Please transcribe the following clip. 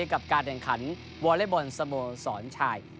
กับการแข่งขันวอเล็กบอลสโมสรชาย